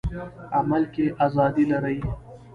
عمل کې ازادي لري.